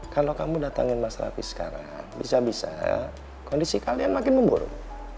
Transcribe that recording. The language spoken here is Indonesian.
kalau kamu datangin mas rapi sekarang bisa bisa kondisi kalian makin memburuk